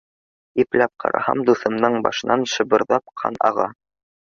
Ипләп ҡараһам, дуҫымдың башынан шабырҙап ҡан аға.